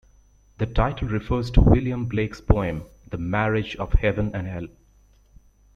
The title refers to William Blake's poem "The Marriage of Heaven and Hell".